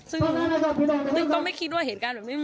ซึ่งก็ไม่คิดว่าเหตุการณ์แบบนี้